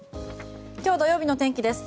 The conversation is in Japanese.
今日土曜日の天気です。